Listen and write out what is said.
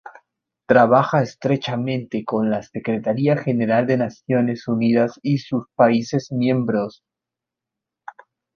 Trabaja estrechamente con la Secretaría General de Naciones Unidas y sus países miembros.